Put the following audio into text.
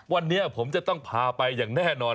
วันนี้ผมจะต้องพาไปอย่างแน่นอน